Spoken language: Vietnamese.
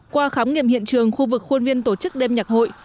qua khám nghiệm hiện trường khu vực khuôn viên tổ chức đêm nhạc hội